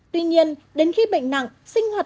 tuy nhiên đến khi bệnh nặng sinh hoạt